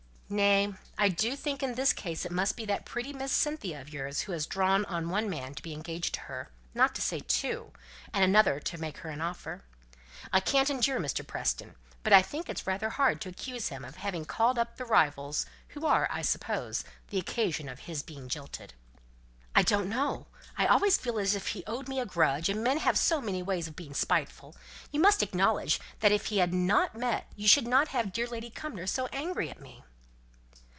"Nay! I do think in this case it must be that pretty Miss Cynthia of yours who has drawn on one man to be engaged to her, not to say two, and another to make her an offer. I can't endure Mr. Preston, but I think it's rather hard to accuse him of having called up the rivals, who are, I suppose, the occasion of his being jilted." "I don't know; I always feel as if he owed me a grudge, and men have so many ways of being spiteful. You must acknowledge that if he had not met you I should not have had dear Lady Cumnor so angry with me."